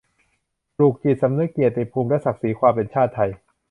ปลูกจิตสำนึกเกียรติภูมิและศักดิ์ศรีความเป็นชาติไทย